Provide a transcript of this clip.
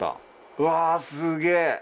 うわすげぇ！